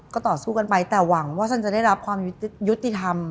ก็ต่อสู้กันไปแต่หวังว่าฉันจะได้รับความยุติธรรม